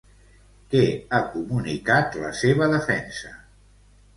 Què ha comunicat la seva defensa?